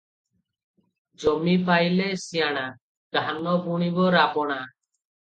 "ଜମି ପାଇଲେ ସିଆଣା, ଧାନ ବୁଣିବ ରାବଣା ।